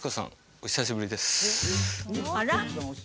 お久しぶりですあら？